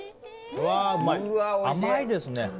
うまい、甘いですね。